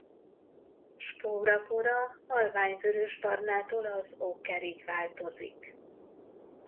Spórapora halvány vörösbarnától az okkerig változik.